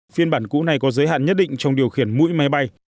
phiên bản cũ này có giới hạn nhất định trong điều khiển mũi máy bay